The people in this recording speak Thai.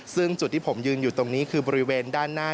ซึ่งจุดที่ผมยืนอยู่ตรงนี้คือบริเวณด้านหน้า